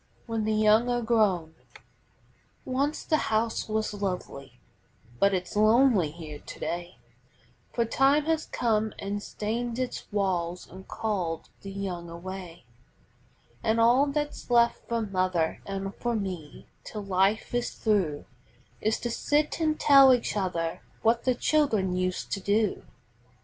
WHEN THE YOUNG ARE GROWN Once the house was lovely, but it's lonely here to day, For time has come an' stained its walls an' called the young away; An' all that's left for mother an' for me till life is through Is to sit an' tell each other what the children used to do.